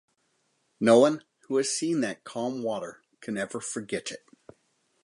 No one who has seen that calm water can ever forget it.